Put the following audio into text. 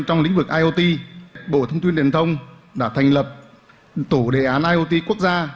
trong lĩnh vực iot bộ thông tin điện thông đã thành lập tổ đề án iot quốc gia